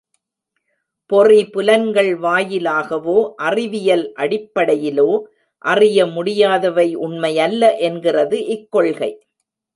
பொறி புலன்கள் வாயிலாகவோ அறிவியல் அடிப்படையிலோ அறிய முடியாதவை உண்மையல்ல என்கிறது இக் கொள்கை.